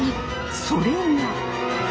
それが。